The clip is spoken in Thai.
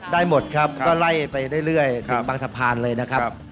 หมดครับก็ไล่ไปเรื่อยถึงบางสะพานเลยนะครับ